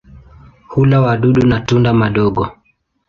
Hula wadudu na tunda madogo.